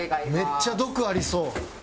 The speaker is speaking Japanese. めっちゃ毒ありそう。